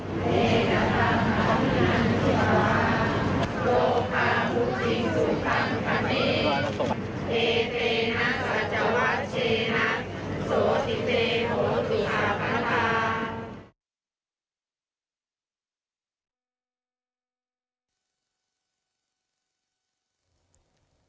พระศกนิกรทั่วประเทศและบริเวณพื้นที่๑๓